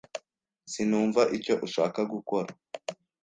Sinumva icyo ushaka gukora.